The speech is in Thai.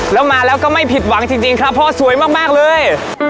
แล้วมาแล้วก็ไม่ผิดหวังจริงครับพ่อสวยมากเลย